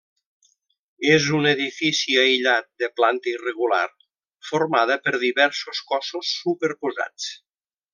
És un edifici aïllat de planta irregular formada per diversos cossos superposats.